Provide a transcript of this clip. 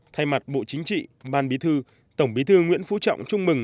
thay mặt bộ chính trị ban bí thư tổng bí thư nguyễn phú trọng chúc mừng